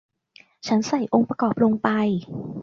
ฉันใส่องค์ประกอบลงไป